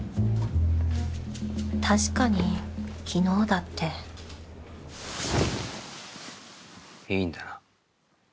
確かに昨日だっていいんだな？